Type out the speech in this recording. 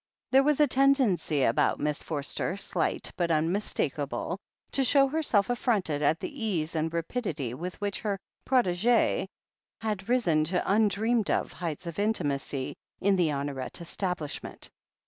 There was a tendency about Miss Forster, slight but unmistakable, to show herself affronted at the ease and rapidity which which her protegee had risen to im dreamed of heights of intimacy in the Honoret estab lishment.